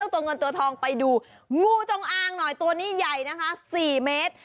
ตัวเงินตัวทองไปดูงูจงอางหน่อยตัวนี้ใหญ่นะคะ๔เมตร